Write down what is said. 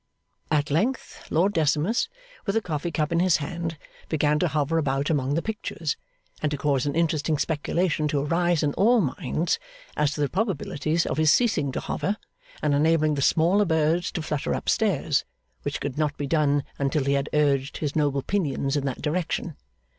At length Lord Decimus, with a coffee cup in his hand, began to hover about among the pictures, and to cause an interesting speculation to arise in all minds as to the probabilities of his ceasing to hover, and enabling the smaller birds to flutter up stairs; which could not be done until he had urged his noble pinions in that direction.